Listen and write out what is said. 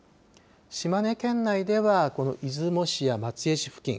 島根県内では、出雲市や松江市付近。